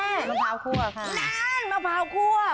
แม่งหมาพร้าวคั่วแม่งหมาพร้าวคั่ว